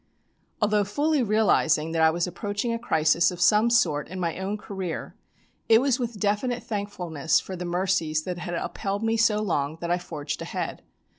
Although fully realising that I was approaching a crisis of some sort in my own career, it was with definite thankfulness for the mercies that had upheld me so long that I forged ahead.